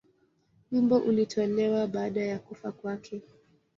Wimbo ulitolewa baada ya kufa kwake.